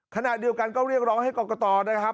ขณะเดียวกันก็เรียกร้องให้กรกตนะครับ